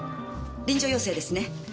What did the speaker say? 臨場要請ですね。